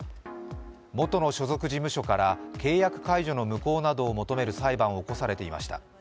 元の所属事務所から契約解除の無効などを求める裁判を起こされていました。